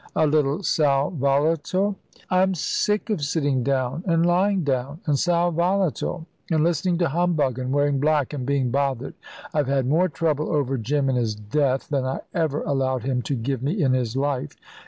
"A little sal volatile " "I'm sick of sitting down, and lying down, and sal volatile, and listening to humbug, and wearing black, and being bothered. I've had more trouble over Jim in his death than I ever allowed him to give me in his life.